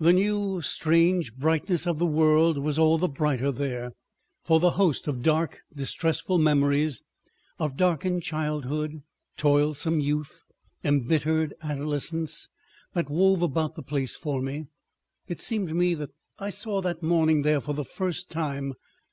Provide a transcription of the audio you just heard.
The new strange brightness of the world was all the brighter there, for the host of dark distressful memories, of darkened childhood, toilsome youth, embittered adolescence that wove about the place for me. It seemed to me that I saw morning there for the first time.